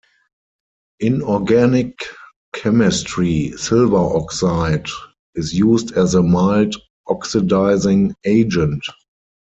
In organic chemistry, silver oxide is used as a mild oxidizing agent.